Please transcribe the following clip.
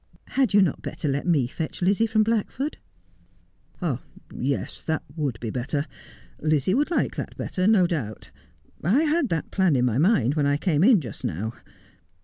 Had you not better let me fetch Lizzie from Blackford ?'' Yes, that would be better. Lizzie would like that better, no doubt. I had that plan in my mind when I came in just now.